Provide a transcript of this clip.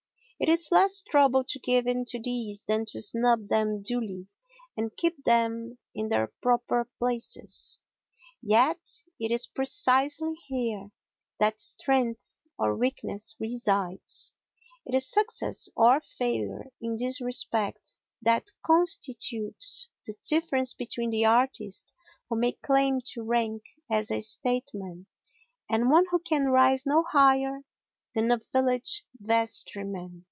It is less trouble to give in to these than to snub them duly and keep them in their proper places, yet it is precisely here that strength or weakness resides. It is success or failure in this respect that constitutes the difference between the artist who may claim to rank as a statesman and one who can rise no higher than a village vestryman.